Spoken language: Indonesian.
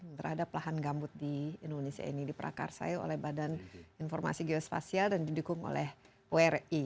yang terhadap lahan gambut di indonesia ini diperakarsai oleh badan informasi geospasial dan didukung oleh wri